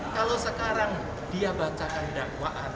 kalau sekarang dia bacakan dakwaan